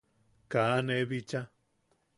Kaa ne bicha.